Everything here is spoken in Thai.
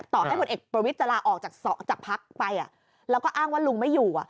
ต่อให้ผลเอกประวิทย์จะลาออกจากพักไปแล้วก็อ้างว่าลุงไม่อยู่